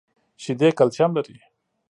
شیدې کلسیم لري .